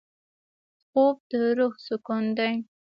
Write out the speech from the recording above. خوب د روح سکون دی